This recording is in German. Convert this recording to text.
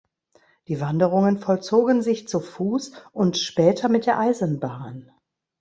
Die Wanderungen vollzogen sich zu Fuß und später mit der Eisenbahn.